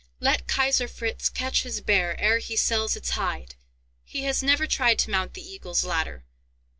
"Let Kaiser Fritz catch his bear ere he sells its hide! He has never tried to mount the Eagle's Ladder!